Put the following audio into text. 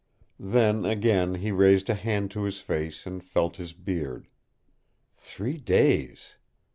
Then again he raised a hand to his face and felt his beard. Three days!